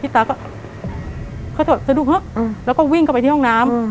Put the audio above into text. พี่ตาก็เขาถูกแล้วก็วิ่งกลับไปที่ห้องน้ำอืม